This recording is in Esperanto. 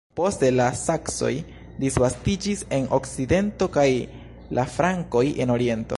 Poste la Saksoj disvastiĝis en okcidento kaj la Frankoj en oriento.